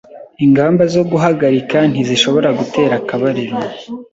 Ingamba zo guhagarika ntizishobora gutera akabariro